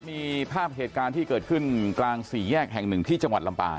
มีภาพเหตุการณ์ที่เกิดขึ้นกลางสี่แยกแห่งหนึ่งที่จังหวัดลำปาง